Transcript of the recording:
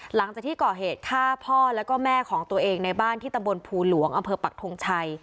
หลังจากที่ก่อเหตุฆ่าพ่อแล้วก็แม่ของตัวเองในบ้านที่ตำบลภูหลวงอำเภอปักทงชัย